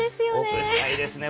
奥深いですね